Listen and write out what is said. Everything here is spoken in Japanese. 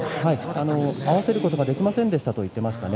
合わせることができませんでしたと話しています。